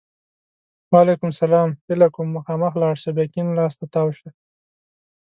وعلیکم سلام! هیله کوم! مخامخ لاړ شه! بیا کیڼ لاس ته تاو شه!